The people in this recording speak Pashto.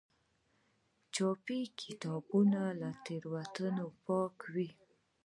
چاپي کتابونه له تېروتنو پاک وي.